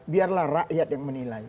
biarlah rakyat yang menilai